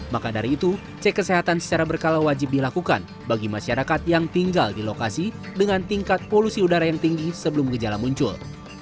maka dari itu cek kesehatan secara berkala wajib dilakukan bagi masyarakat yang tinggal di lokasi dengan tingkat polusi udara yang tinggi sebelum gejala muncul